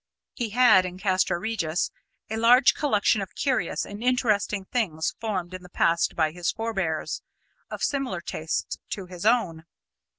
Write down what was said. He had, in Castra Regis, a large collection of curious and interesting things formed in the past by his forebears, of similar tastes to his own.